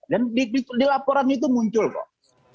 dan di laporan itu muncul kok